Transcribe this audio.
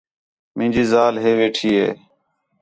مینجی ذال ہیں ویٹھی ہِے